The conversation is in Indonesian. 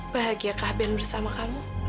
bahagia kehabisan bersama kamu